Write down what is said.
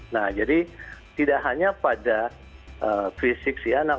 nah jadi tidak hanya pada fisik si anak